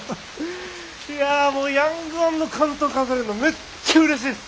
いやもう「ヤングワン」の巻頭飾れるのめっちゃうれしいです。